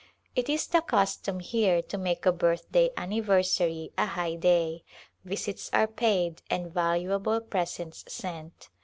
It is the custom here to make a birthday anniversary a high day ; visits are paid and valuable presents sent.